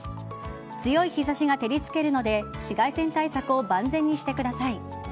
強い日差しが照りつけるので紫外線対策を万全にしてください。